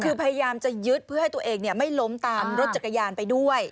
คือพยายามจะยึดเพื่อให้ตัวเองไม่ล้มตามรถจักรยานไปด้วย